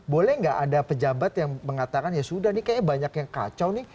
boleh nggak ada pejabat yang mengatakan ya sudah nih kayaknya banyak yang kacau nih